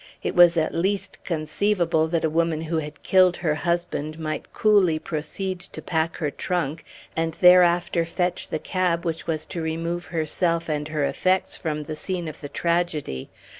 It was at least conceivable that a woman who had killed her husband might coolly proceed to pack her trunk, and thereafter fetch the cab which was to remove herself and her effects from the scene of the tragedy.